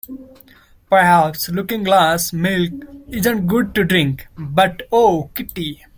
Perhaps Looking-glass milk isn’t good to drink—But oh, Kitty!